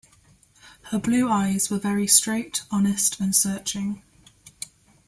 Her blue eyes were very straight, honest, and searching.